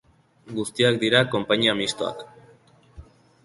Guztiak dira konpainia mistoak.